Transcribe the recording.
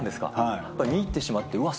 やっぱり見入ってしまって。